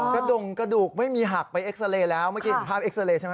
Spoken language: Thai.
กระดงกระดูกไม่มีหักไปเอ็กซาเรย์แล้วเมื่อกี้เห็นภาพเอ็กซาเรย์ใช่ไหม